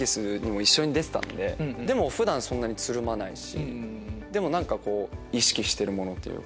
普段そんなにつるまないしでも意識してるものというか。